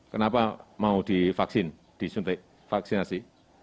kenapa mau divaksin disuntik vaksinasi